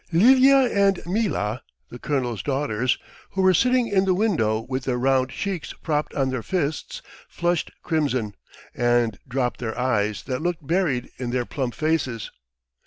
..." Lilya and Mila, the colonel's daughters, who were sitting in the window with their round cheeks propped on their fists, flushed crimson and dropped their eyes that looked buried in their plump faces.